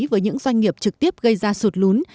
với những doanh nghiệp trực tiếp gây ra sụt lún